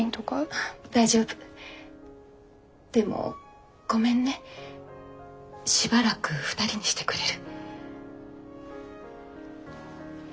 でもごめんねしばらく２人にしてくれる？